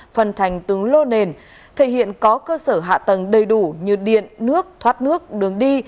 phần thành từng lô nền thể hiện có cơ sở hạ tầng đầy đủ như điện nước thoát nước đường đi